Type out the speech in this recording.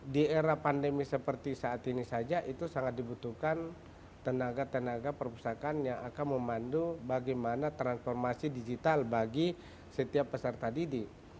di era pandemi seperti saat ini saja itu sangat dibutuhkan tenaga tenaga perpustakaan yang akan memandu bagaimana transformasi digital bagi setiap peserta didik